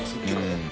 うん。